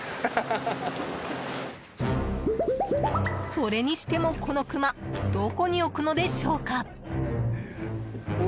それにしても、このクマどこに置くのでしょうか？